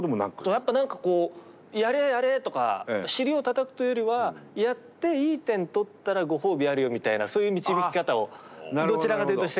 やっぱ何かこう「やれやれ」とか尻をたたくというよりはやっていい点取ったらご褒美あるよみたいなそういう導き方をどちらかというとしてくれた印象があります。